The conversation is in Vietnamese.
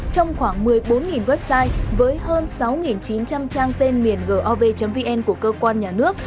trong khoảng một mươi bốn website với hơn sáu chín trăm linh trang tên miền gov vn của cơ quan nhà nước